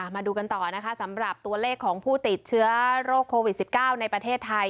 มาดูกันต่อนะคะสำหรับตัวเลขของผู้ติดเชื้อโรคโควิด๑๙ในประเทศไทย